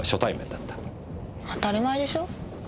当たり前でしょ。